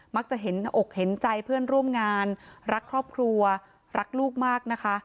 จะเห็นอกเห็นใจเพื่อนร่วมงานรักครอบครัวรักลูกมากนะคะ